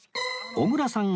小倉さん